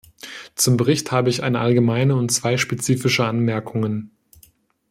Zum Bericht habe ich eine allgemeine und zwei spezifische Anmerkungen.